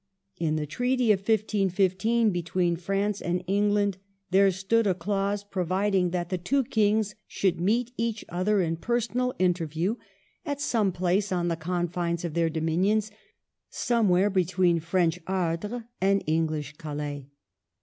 In the treaty of 15 15 between France and England there stood a clause providing that 42 MARGARET OF ANGOULEME. the two kings should meet each other in per sonal interview at some place on the confines of their dominions, somewhere between French Ardres and English Calais.